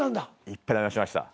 いっぱい試しました。